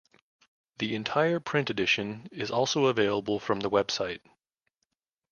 The entire print edition is also available from the website.